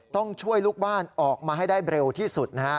ต้องช่วยลูกบ้านออกมาให้ได้เร็วที่สุดนะฮะ